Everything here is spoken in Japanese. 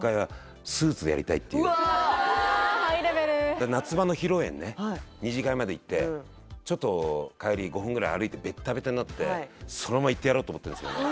うわうわハイレベル二次会まで行ってちょっと帰り５分ぐらい歩いてベッタベタになってそのままいってやろうと思ってるんですけどね